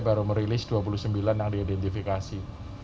baru merilis dua puluh sembilan yang diidentifikasi